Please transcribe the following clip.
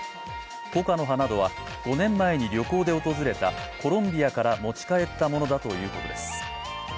コカの葉などは５年前に旅行で訪れたコロンビアから持ち帰ったものだということです。